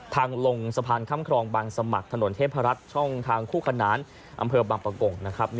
ทางลงสะพานค่ำครองบางสมัครถนนเทพรัฐช่องทางคู่ขนานอำเภอบางประกงนะครับ